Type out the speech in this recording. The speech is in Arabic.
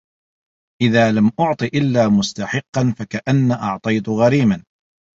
إذَا لَمْ أُعْطِ إلَّا مُسْتَحِقًّا فَكَأَنَّ أَعْطَيْت غَرِيمًا